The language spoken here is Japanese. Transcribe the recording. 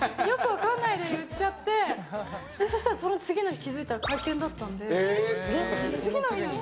よく分かんないで言っちゃってそしたらその次の日気付いたら会見だったんで次の日？